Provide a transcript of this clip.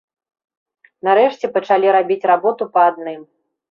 Нарэшце пачалі рабіць работу па адным.